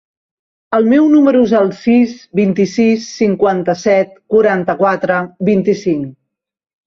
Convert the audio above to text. El meu número es el sis, vint-i-sis, cinquanta-set, quaranta-quatre, vint-i-cinc.